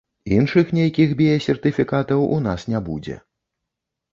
Іншых, нейкіх біясертыфікатаў, у нас не будзе.